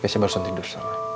geser barusan tidur